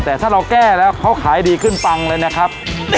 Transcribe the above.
แต่ถ้าเราแก้แล้วเขาขายดีขึ้นปังเลยนะครับ